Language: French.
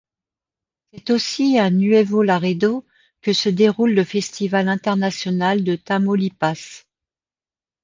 C'est aussi à Nuevo Laredo que se déroule le Festival International de Tamaulipas.